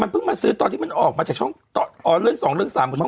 มันเพิ่งมาซื้อตอนที่มันออกมาจากช่องอ๋อเรื่องสองเรื่องสามช่องเจ็ด